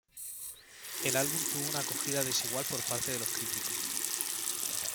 El álbum tuvo una acogida desigual por parte de los críticos.